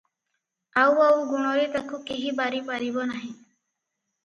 ଆଉ ଆଉ ଗୁଣରେ ତାକୁ କେହି ବାରି ପାରିବ ନାହିଁ ।